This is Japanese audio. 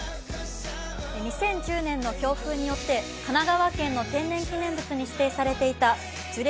２０１０年の教訓によって、神奈川県の天然記念物に指定されていた樹齢